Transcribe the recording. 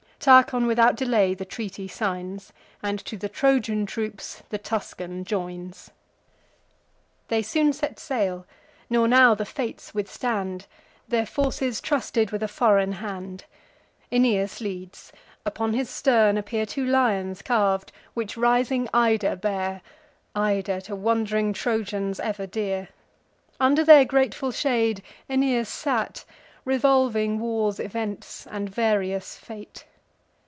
Tarchon, without delay, the treaty signs, And to the Trojan troops the Tuscan joins. They soon set sail; nor now the fates withstand; Their forces trusted with a foreign hand. Aeneas leads; upon his stern appear Two lions carv'd, which rising Ida bear— Ida, to wand'ring Trojans ever dear. Under their grateful shade Aeneas sate, Revolving war's events, and various fate.